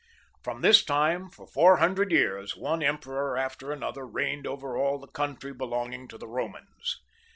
From this time, foy four hundred years, one empeijor after another reigneipl over all the cpuntry belonging to the Bomans.